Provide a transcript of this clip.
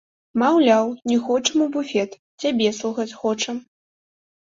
Маўляў, не хочам у буфет, цябе слухаць хочам.